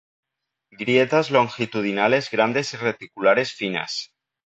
Grietas longitudinales grandes y reticulares finas.